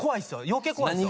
余計怖いんですよ。